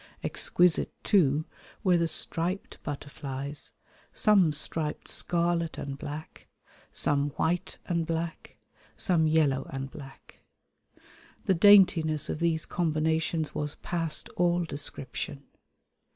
Exquisite, too, were the striped butterflies: some striped scarlet and black, some white and black, some yellow and black. The daintiness of these combinations was past all description.